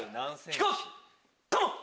飛行機カモン！